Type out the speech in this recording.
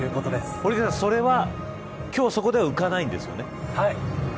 堀池さん、それは今日そこでは浮かないんですよね。